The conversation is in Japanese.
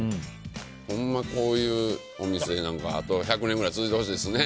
ほんまにこういうお店あと１００年ぐらい続いてほしいですね。